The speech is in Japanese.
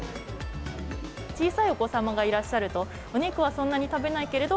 小さいお子様がいらっしゃると、お肉はそんなに食べないけれど、